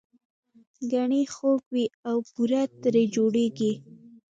ګنی خوږ وي او بوره ترې جوړیږي